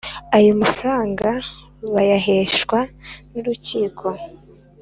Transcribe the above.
Ayo mafaranga bayaheshwa nurukiko.